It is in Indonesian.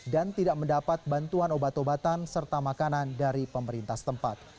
dan tidak mendapat bantuan obat obatan serta makanan dari pemerintah setempat